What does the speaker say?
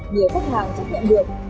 nhiều khách hàng chấp nhận được